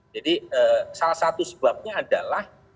jadi salah satu sebabnya adalah